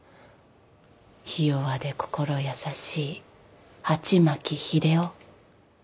ひ弱で心優しい鉢巻秀男。